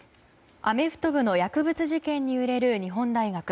アメフト部の薬物事件に揺れる日本大学。